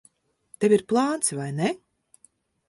Tev ir plāns, vai ne?